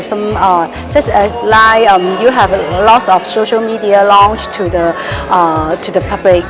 seperti anda memiliki banyak media sosial di publik